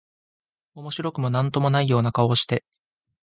面白くも何とも無いような顔をして、